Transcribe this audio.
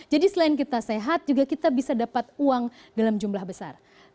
jadi selain kita sehat juga kita bisa dapat uang dalam jumlah besar